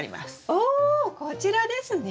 おこちらですね？